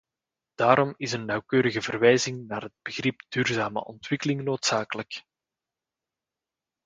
Daarom is een nauwkeurige verwijzing naar het begrip duurzame ontwikkeling noodzakelijk.